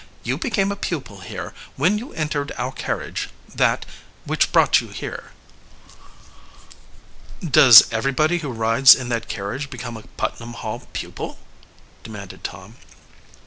You became a pupil here when you entered our carriage, that, which brought you here." "Does everybody who rides in that carriage become a Putnam Hall pupil?" demanded Tom.